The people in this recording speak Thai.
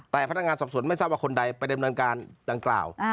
แต่พนักงานสอบสวนมันแทบว่าคนใดประเด็นนานกาลดังกล่าว